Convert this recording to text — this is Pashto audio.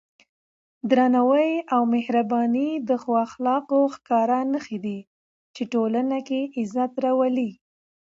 درناوی او مهرباني د ښو اخلاقو ښکاره نښې دي چې ټولنه کې عزت راولي.